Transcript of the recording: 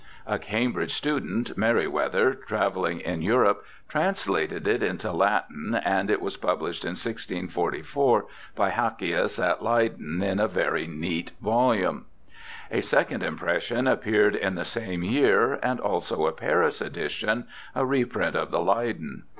A Cambridge student, Merryweather, travelling in Europe, translated it into Latin, and it was published in 1644 by Hackius at Leyden in a very neat volume. A second impression appeared in the same year, and also a Paris edition, a reprint of the Leyden.